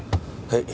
はい。